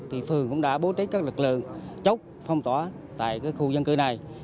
thì phường cũng đã bố trí các lực lượng chốt phong tỏa tại khu dân cư này